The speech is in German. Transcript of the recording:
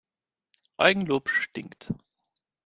Eigenlob stinkt.